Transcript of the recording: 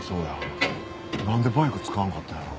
なんでバイク使わんかったんやろ？